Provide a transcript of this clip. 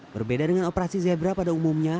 berbeda dengan operasi zebra pada umumnya